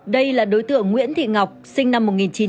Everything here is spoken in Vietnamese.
đây là đối tượng nguyễn thị ngọc sinh năm một nghìn chín trăm chín mươi bảy